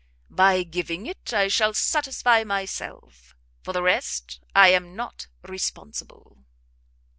By giving it, I shall satisfy myself; for the rest, I am not responsible."